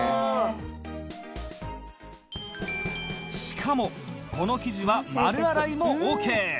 しかもこの生地は丸洗いもオーケー！